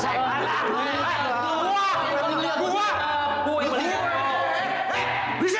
wah gue gue yang paling dasar